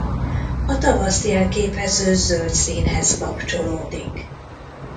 A tavaszt jelképező zöld színhez kapcsolódik.